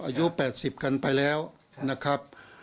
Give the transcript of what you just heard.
อายุ๘๐กันไปแล้วนะครับ